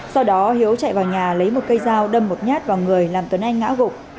sau đó hiếu chạy vào nhà lấy một cây dao đâm một nhát vào người làm tuấn anh ngã gục